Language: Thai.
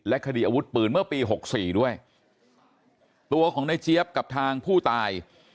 และคดีอาวุธปืนเมื่อปี๖๔ด้วยตัวของนายเจี๊ยบกับทางผู้ตาย